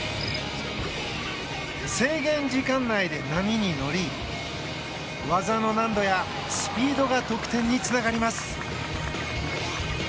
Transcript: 制限時間内で波に乗り技の難度やスピードが得点につながります。